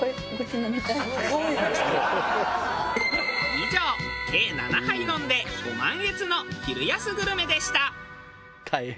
以上計７杯飲んでご満悦の昼安グルメでした。